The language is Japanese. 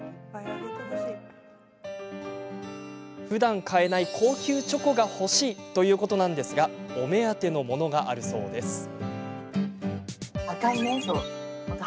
ふだん買えない高級チョコが欲しいとのことなんですがお目当てのものがあるそうです。